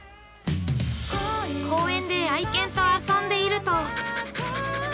◆公園で、愛犬と遊んでいると。